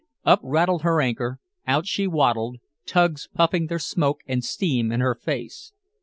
Up rattled her anchor, out she waddled, tugs puffing their smoke and steam in her face.